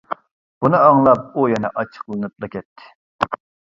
بۇنى ئاڭلاپ ئۇ يەنە ئاچچىقلىنىپلا كەتتى.